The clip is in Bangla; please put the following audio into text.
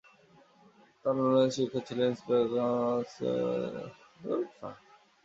তার অন্যান্য উল্লেখযোগ্য শিক্ষক ছিলেন স্গোম-পো-ত্শুল-খ্রিম্স-স্ন্যিং-পো ও গ্ত্সাং-পা-র্গ্যা-রাস-য়ে-শেস-র্দো-র্জে।